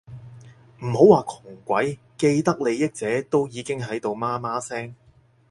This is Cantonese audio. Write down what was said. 唔好話窮鬼，既得利益者都已經喺度媽媽聲